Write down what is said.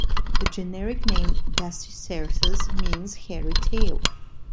The generic name "Dasycercus" means "hairy tail".